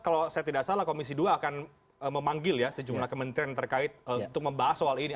kalau saya tidak salah komisi dua akan memanggil ya sejumlah kementerian terkait untuk membahas soal ini